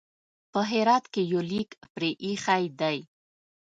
په هرات کې یو لیک پرې ایښی دی.